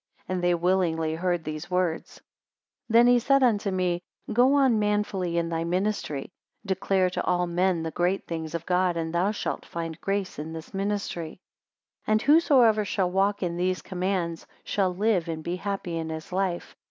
And they willingly heard these words. 22 Then he said unto me, Go on manfully in thy ministry; declare to all men the great things of God, and thou shalt find grace in this ministry. 23 And whosoever shall walk in these commands, shall live, and be happy in his life.